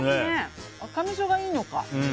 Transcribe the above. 赤みそがいいのか。